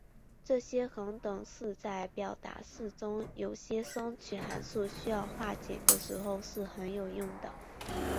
这些恒等式在表达式中有些双曲函数需要简化的时候是很有用的。